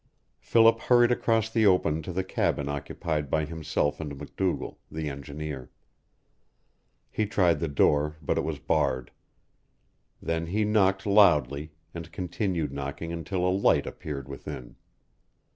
Philip hurried across the open to the cabin occupied by himself and MacDougall, the engineer. He tried the door, but it was barred. Then he knocked loudly, and continued knocking until a light appeared within.